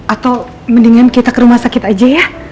atau mendingan kita ke rumah sakit aja ya